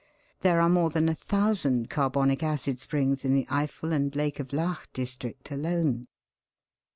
There are more than a thousand carbonic acid springs in the Eifel and Lake of Laach district alone.